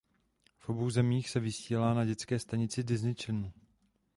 V obou zemích se vysílá na dětské stanici Disney Channel.